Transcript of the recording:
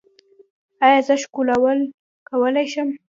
ایا زه ښکلول کولی شم؟